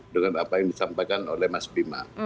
dengan apa yang disampaikan oleh mas bima